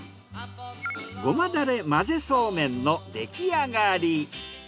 ゴマだれ混ぜそうめんの出来上がり。